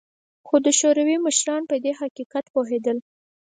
خو د شوروي مشران په دې حقیقت پوهېدل